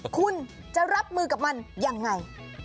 คุณจะรับมือกับมันยังไง